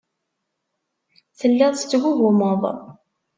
Telliḍ tettgugumeḍ.